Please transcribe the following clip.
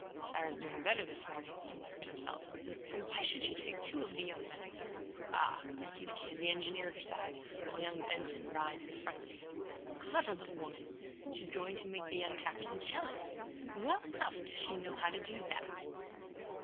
"Sara is doing better this morning," he muttered to himself. "Though why should she take two of the young men with her? Ah, I see that she has the engineer at her side, while young Benson rides on the front seat. Clever little woman! She is going to make the young captain jealous! Well enough does she know how to do that!"